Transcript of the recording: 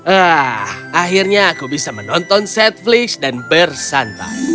ah akhirnya aku bisa menonton set flicks dan bersantai